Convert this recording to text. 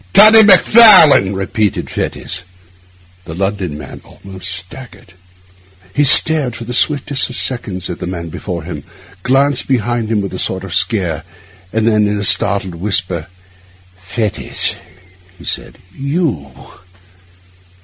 'Toddy Macfarlane!' repeated Fettes. The London man almost staggered. He stared for the swiftest of seconds at the man before him, glanced behind him with a sort of scare, and then in a startled whisper, 'Fettes!' he said, 'You!